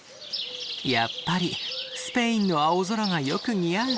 やっぱりスペインの青空がよく似合う。